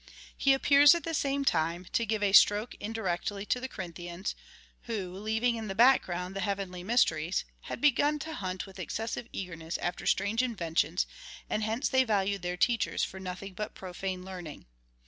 He appears, at the same time, to give a stroke indirectly to the Corin thians, who, leaving in the back ground the heavenly mys teries, had begun to hunt with excessive eagerness after strange inventions, and hence they valued their teachers for nothing but profane learning.